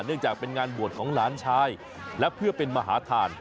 เนื่องจากเป็นงานบวชของหลานชายและเพื่อเป็นมหาธาน